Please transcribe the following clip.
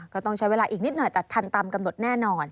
ก็ต้องใช้เวลาอีกนิดหน่อยแต่ทันตามกำหนดแน่นอน